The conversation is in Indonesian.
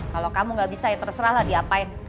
kalau kamu gak bisa ya terserah lah dia apain